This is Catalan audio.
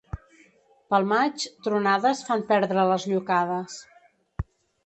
Pel maig, tronades fan perdre les llocades.